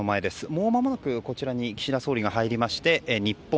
もうまもなくこちらの岸田総理が入りまして日本、